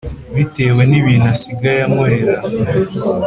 Bitewe nibintu asigaye ankorera